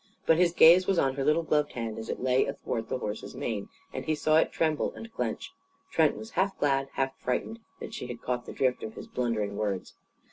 But his gaze was on her little gloved hand as it lay athwart the horse's mane. And he saw it tremble and clench. Trent was half glad, half frightened that she had caught the drift of his blundering words.